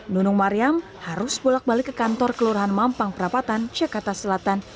nunung mariam harus bolak balik ke kantor kelurahan mampang perapatan jakarta selatan